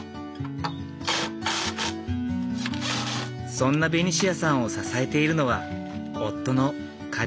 そんなベニシアさんを支えているのは夫の梶山正さん。